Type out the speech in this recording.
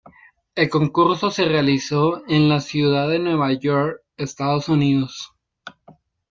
El concurso se realizó en la ciudad de Nueva York, Estados Unidos.